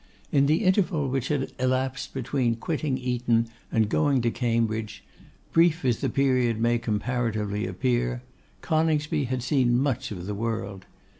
In the interval which had elapsed between quitting Eton and going to Cambridge, brief as the period may comparatively appear, Coningsby had seen much of the world.